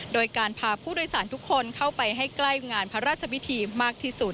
โดยการพาผู้โดยสารทุกคนเข้าไปให้ใกล้งานพระราชพิธีมากที่สุด